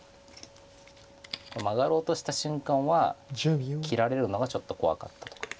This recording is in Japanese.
マガろうとした瞬間は切られるのがちょっと怖かったとか。